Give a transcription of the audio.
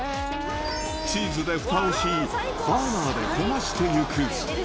チーズでふたをし、バーナーで焦がしてゆく。